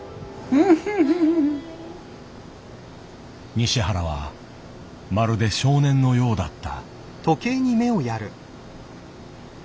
西原はまるで少年のようだった。